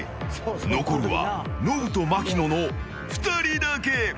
残るはノブと槙野の２人だけ。